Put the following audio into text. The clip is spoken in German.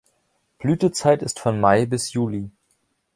Blütezeit ist von Mai bis Juli.